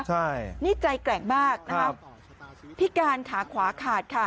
ใช่นี่ใจแกร่งมากนะคะพิการขาขวาขาดค่ะ